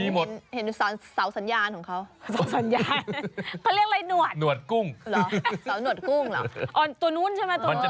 เห็นแล้วสาวสัญญาณของเขา